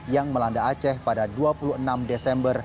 yang melanda aceh pada dua puluh enam desember dua ribu empat